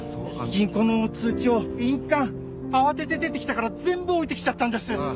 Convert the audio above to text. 銀行の通帳印鑑慌てて出てきたから全部置いてきちゃったんです。